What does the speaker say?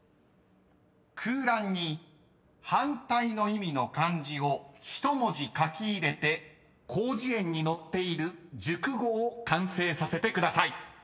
［空欄に反対の意味の漢字を１文字書き入れて広辞苑に載っている熟語を完成させてください］